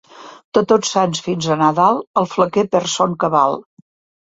De Tots Sants fins a Nadal, el flequer perd son cabal.